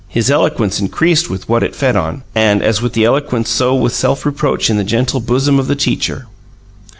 His eloquence increased with what it fed on; and as with the eloquence so with self reproach in the gentle bosom of the teacher.